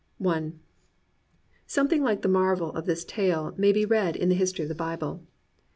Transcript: A THE BOOK OF BOOKS Something like the marvel of this tale may be read in the history of the Bible.